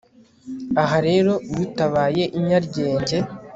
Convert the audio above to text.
aha rero iyo utabaye inyaryenge